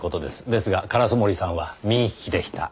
ですが烏森さんは右利きでした。